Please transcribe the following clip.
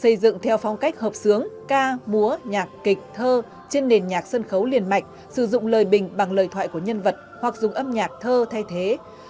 xây dựng theo phong cách hợp sướng ca búa nhạc kịch thơ trên nền nhạc sân khấu liền mạch sử dụng lời bình bằng lời thoại của nhân vật hoặc dùng âm nhạc thơ thay thế